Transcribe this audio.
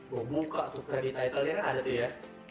gua buka tuh kredititle nya kan ada tuh ya